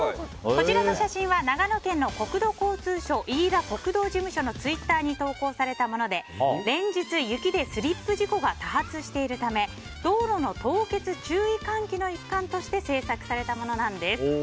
こちらの写真は長野県の国土交通省飯田国道事務所のツイッターに投稿されたもので連日、雪でスリップ事故が多発しているため道路の凍結注意喚起の一環として制作されたものなんです。